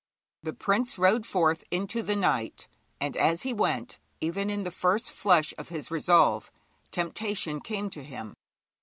_ The prince rode forth into the night, and as he went, even in the first flush of his resolve, temptation came to him.